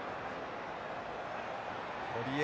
堀江。